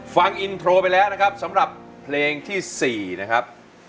ฟังอินโทรไปแล้วนะครับสำหรับเพลงที่๔นะครับ